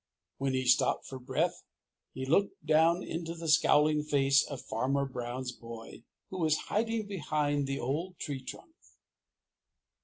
When he stopped for breath, he looked down into the scowling face of Farmer Brown's boy, who was hiding behind the old tree trunk.